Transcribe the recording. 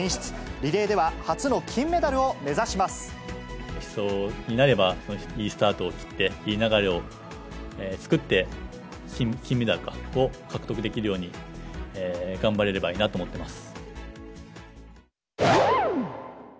リレーでは初の金メダルを目指し１走になれば、いいスタートを切って、いい流れを作って、金メダルを獲得できるように、頑張れればいいなと思ってます。